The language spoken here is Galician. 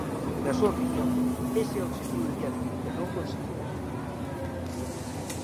Na súa opinión, "ese é o obxectivo de Villar Mir pero non o conseguiu".